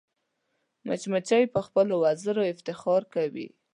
مچمچۍ په خپلو وزرو افتخار کوي